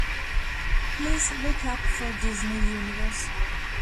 Please look up for Disney Universe.